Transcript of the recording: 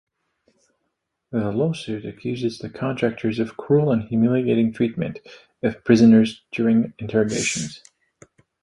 The lawsuit accuses the contractors of cruel and humiliating treatment of prisoners during interrogations.